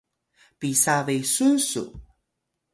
pisa besun su?